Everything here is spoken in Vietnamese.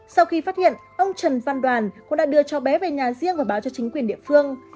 sau khi phát hiện ông trần văn đoàn cũng đã đưa cháu bé về nhà riêng và báo cho chính quyền địa phương